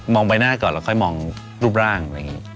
มองใบหน้าก่อนแล้วค่อยมองรูปร่าง